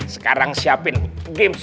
sekarang siapin games